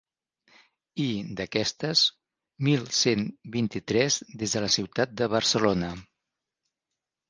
I d’aquestes, mil cent vint-i-tres des de la ciutat de Barcelona.